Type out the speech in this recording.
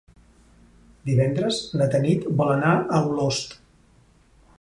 Divendres na Tanit vol anar a Olost.